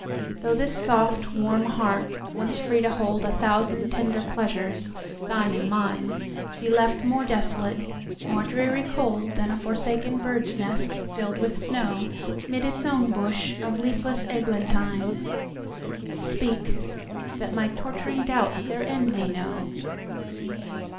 —though this soft warm heart, once free to holdA thousand tender pleasures, thine and mine, Be left more desolate, more dreary coldThan a forsaken bird's nest fill'd with snow'Mid its own bush of leafless eglantine—Speak, that my torturing doubts their end may know!